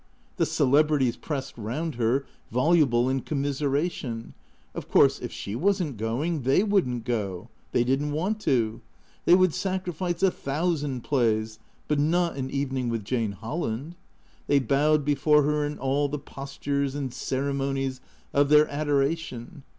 The celebrities pressed round her, voluble in commiseration. Of course, if she wasn't going, they wouldn't go. They didn't want to. They would sacrifice a thousand plays, but not an evening with Jane Holland. They bowed before her in all the postures and ceremonies of their adoration.